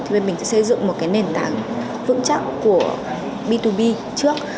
thì xây dựng một cái nền tảng vững chắc của b hai b trước